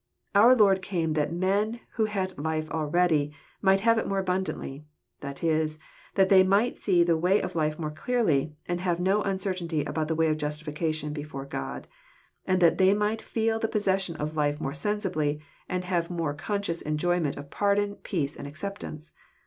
Our Lord came that men who had life already '' might have It more abundantly :" that is, that they might see the way of life more clearly, and have no uncertainty about the way of justification before God ; and that they might feel the possession of life more sensibly, and have more con scious enjoyment of pardon, peace, and acceptance.